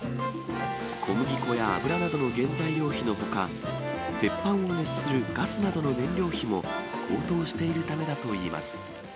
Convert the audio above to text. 小麦粉や油などの原材料費のほか、鉄板を熱するガスなどの燃料費も高騰しているためだといいます。